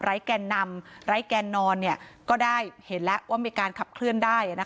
แกนนำไร้แกนนอนก็ได้เห็นแล้วว่ามีการขับเคลื่อนได้